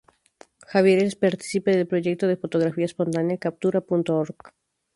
Javier es partícipe del proyecto de fotografía espontánea: Captura.org.